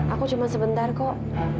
aku cuma sebentar kok